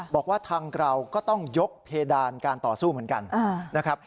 บอกว่าทางเราก็ต้องยกเพดานการต่อสู้เหมือนกันนะครับ